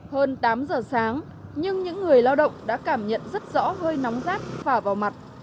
hơn tám giờ sáng nhưng những người lao động đã cảm nhận rất rõ hơi nóng rát phả vào mặt